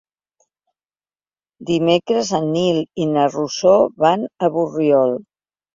Dimecres en Nil i na Rosó van a Borriol.